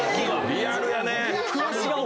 リアルやねぇ！